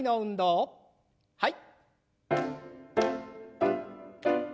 はい。